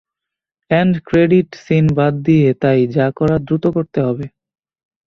And credit scene বাদ দিয়ে, তাই, যা করার দ্রুত করতে হবে।